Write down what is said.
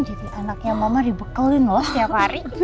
anaknya mama dibekelin loh setiap hari